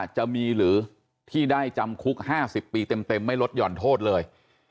จะมีหรือที่ได้จำคุก๕๐ปีเต็มไม่ลดหย่อนโทษเลย